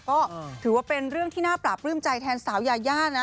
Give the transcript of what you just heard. ก็ถือว่าเป็นเรื่องที่น่าปราบปลื้มใจแทนสาวยาย่านะ